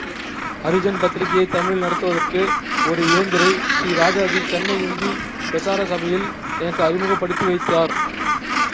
ஹரிஜன் பத்திரிகையைத் தமிழில் நடத்துவதற்கு ஒரு இளைஞரை ஸ்ரீ ராஜாஜி சென்னை இந்தி பிரசாரசபையில் எனக்கு அறிமுகப்படுத்தி வைத்தார்.